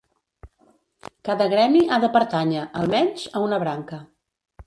Cada gremi ha de pertànyer, almenys, a una branca.